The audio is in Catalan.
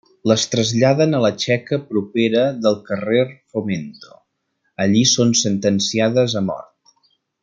Les traslladen a la txeca propera del carrer Fomento; allí són sentenciades a mort.